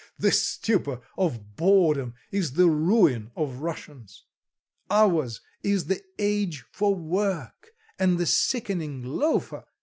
"Oh! this stupor of boredom is the ruin of Russians. Ours is the age for work, and the sickening loafer"...